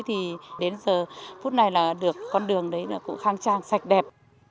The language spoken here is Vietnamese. thì đến giờ phút này là được con đường đấy cũng khang trang sạch đẹp